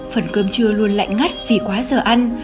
phần cơm trưa luôn lạnh ngắt vì quá giờ ăn